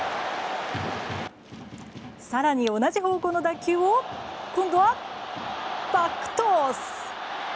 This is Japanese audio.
更に同じ方向の打球を今度はバックトス。